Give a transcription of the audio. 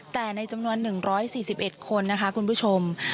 แต่ในจำนวน๑๔๑คนนะคะคุณผู้ชม